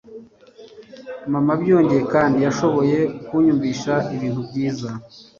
Mama, byongeye kandi, yashoboye kunyumvisha ibintu byiza.